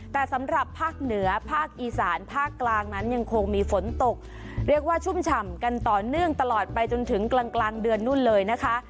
แต่สำหรับภาคเหนือภาคอีสานภาคกลางนั้นยังคงมีฝนตกเรียกว่าชุ่มฉ่ำกันต่อเนื่องตลอดไปจนถึงกลางกลางเดือนนู่นเลยนะคะ